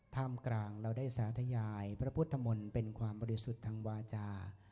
ท่ามกลางเราได้สาธยายพระพุทธมนต์เป็นความบริสุทธิ์ทางวาจา